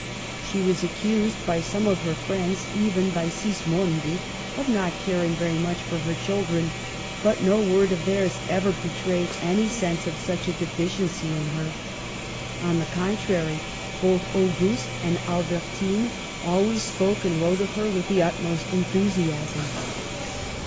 She was accused by sohie Digitized by VjOOQLC NEW FACES AT COPPET. 121 of her friends, even by Sismondi, of not caring very much for her children ; but no word of theirs ever betrayed any sense of such a deficiency in her. On the contrary, both Auguste and Alber tine always spoke and wrote of her with the utmost enthusiasm.